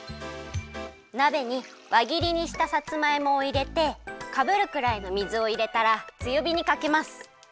なべにわぎりにしたさつまいもをいれてかぶるくらいの水をいれたらつよびにかけます。